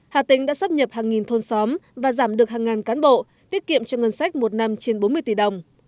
hà tĩnh đã sắp nhập hàng nghìn thôn xóm và giảm được hàng ngàn cán bộ tiết kiệm cho ngân sách một năm trên bốn mươi tỷ đồng